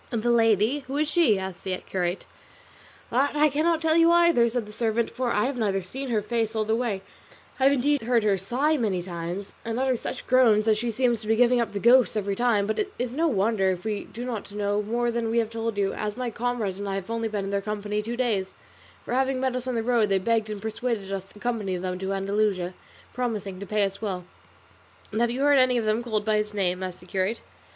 "And the lady, who is she?" asked the curate. "That I cannot tell you either," said the servant, "for I have not seen her face all the way: I have indeed heard her sigh many times and utter such groans that she seems to be giving up the ghost every time; but it is no wonder if we do not know more than we have told you, as my comrade and I have only been in their company two days, for having met us on the road they begged and persuaded us to accompany them to Andalusia, promising to pay us well." "And have you heard any of them called by his name?" asked the curate.